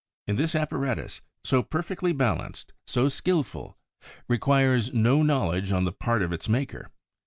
And this apparatus, so perfectly balanced, so skillful, requires no knowledge on the part of its maker.